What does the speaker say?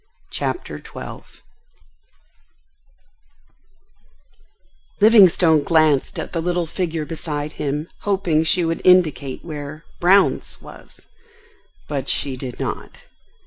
CHAPTER XII Livingstone glanced at the little figure beside him, hoping she would indicate where "Brown's" was, but she did not.